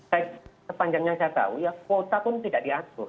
baik sepanjangnya saya tahu ya kuota pun tidak diatur